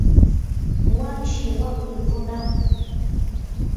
wanshi waklu runam.